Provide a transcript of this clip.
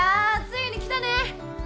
ついに来たね